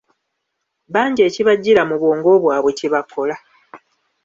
Bangi ekibajjira mu bwongo bwabwe kyebakola.